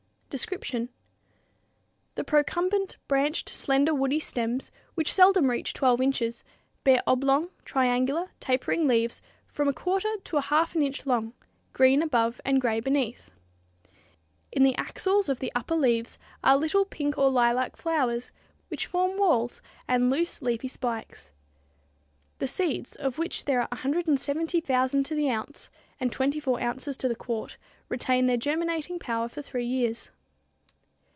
Description. The procumbent, branched, slender, woody stems, which seldom reach 12 inches, bear oblong, triangular, tapering leaves from 1/4 to 1/2 inch long, green above and gray beneath. In the axils of the upper leaves are little pink or lilac flowers, which form whorls and loose, leafy spikes. The seeds, of which there are 170,000 to the ounce, and 24 ounces to the quart, retain their germinating power for three years.